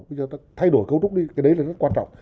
bây giờ ta thay đổi cấu trúc đi cái đấy là rất quan trọng